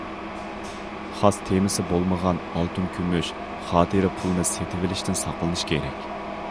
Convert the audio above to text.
خاس تېمىسى بولمىغان ئالتۇن، كۈمۈش خاتىرە پۇلنى سېتىۋېلىشتىن ساقلىنىش كېرەك.